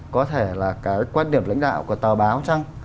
có thể là cái quan điểm lãnh đạo của tờ báo trăng